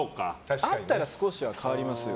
会ったら少しは変わりますよ。